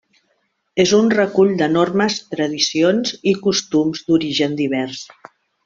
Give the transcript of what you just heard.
És un recull de normes, tradicions i costums d'origen divers.